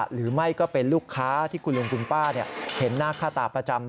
หรือไม่ก็เป็นลูกค้าที่คุณลุงคุณป้าเห็นหน้าค่าตาประจำ